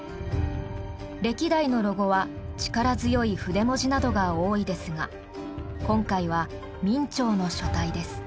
歴代のロゴは力強い筆文字などが多いですが今回は明朝の書体です。